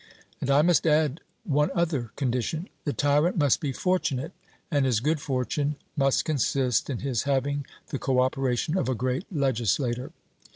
And I must add one other condition: the tyrant must be fortunate, and his good fortune must consist in his having the co operation of a great legislator.